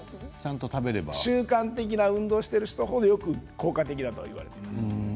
習慣的な運動をしている人程より効果的だと言われています。